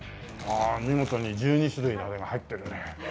見事に１２種類のあれが入ってるね。